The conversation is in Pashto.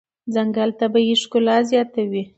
ځنګل طبیعي ښکلا زیاتوي.